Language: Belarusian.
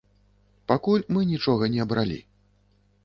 Пакуль мы нічога не абралі.